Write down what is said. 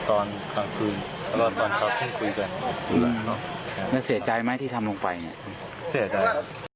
ตอนคืนอ่ะเมื่อฟื้นคุยมันเศรษฐ์ไหมที่ทำลงไปเสียอะไร